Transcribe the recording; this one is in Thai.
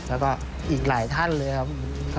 แล้วก็อีกหลายท่านเลยครับ